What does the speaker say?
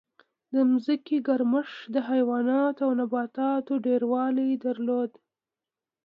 د ځمکې ګرمښت د حیواناتو او نباتاتو ډېروالی درلود.